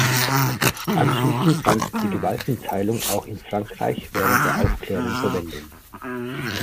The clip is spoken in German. Anschließend fand die Gewaltenteilung auch in Frankreich, während der Aufklärung Verwendung.